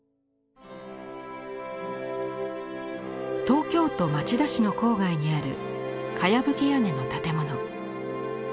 東京都町田市の郊外にあるかやぶき屋根の建物。